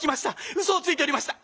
うそをついておりました。